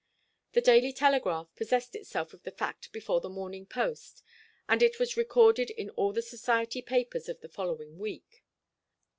The Daily Telegraph possessed itself of the fact before the Morning Post, and it was recorded in all the society papers of the following week.